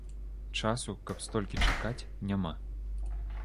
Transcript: Часу, каб столькі чакаць, няма.